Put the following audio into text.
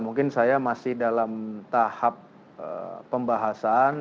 mungkin saya masih dalam tahap pembahasan